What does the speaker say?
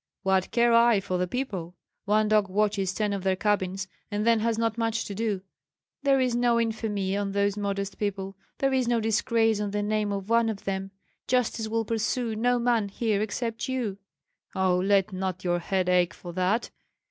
"What care I for the people? One dog watches ten of their cabins, and then has not much to do." "There is no infamy on those modest people, there is no disgrace on the name of one of them. Justice will pursue no man here except you." "Oh, let not your head ache for that.